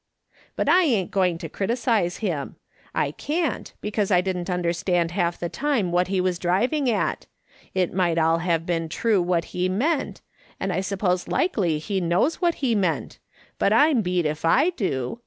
" But I ain't going to criticise him ; I can't, be cause I didn't understand half the time what he was driving at ; it might all have been true what he meant, and I suppose likely he knows what he meant, but I'm beat if I do.